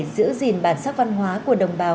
giữ gìn bản sắc văn hóa của đồng bào